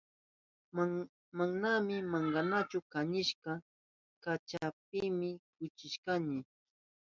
Manami wankanachu kanishka kashapimi chukrishkanki.